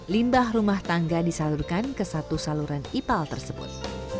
limbah rumah tangga disalurkan ke satu saluran ipal tersebut